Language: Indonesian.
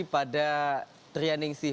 pada trianing si